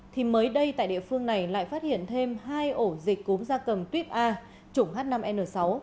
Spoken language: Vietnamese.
thì mới đây tại địa phương này lại phát hiện thêm hai ổ dịch cúm da cầm tuyếp a chủng h năm n sáu